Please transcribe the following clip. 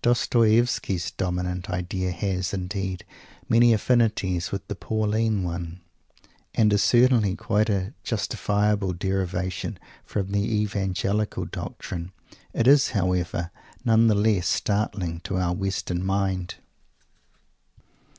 Dostoievsky's dominant idea has, indeed, many affinities with the Pauline one, and is certainly a quite justifiable derivation from the Evangelical doctrine. It is, however, none the less startling to our Western mind.